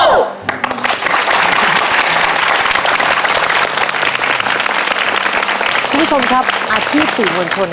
คุณผู้ชมครับอาชีพสื่อมวลชน